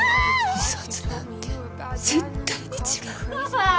自殺なんて絶対に違う。